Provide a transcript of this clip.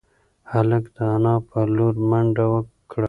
هلک د انا په لور منډه کړه.